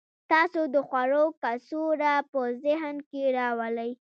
تاسو د خوړو کڅوړه په ذهن کې راولئ